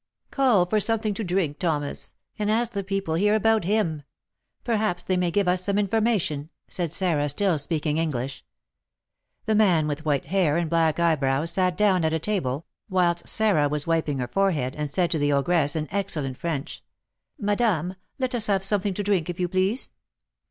"Call for something to drink, Thomas, and ask the people here about him; perhaps they may give us some information," said Sarah, still speaking English. The man with white hair and black eyebrows sat down at a table, whilst Sarah was wiping her forehead, and said to the ogress, in excellent French, "Madame, let us have something to drink, if you please."